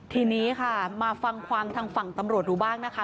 ทีนี้ค่ะมาฟังความทางฝั่งตำรวจดูบ้างนะคะ